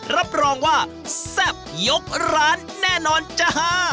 รับรองว่าแซ่บยกร้านแน่นอนจ้า